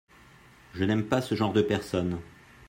Je n'aime pas ce genre de personnes.